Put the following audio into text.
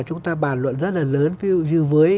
chúng ta bàn luận rất là lớn ví dụ như với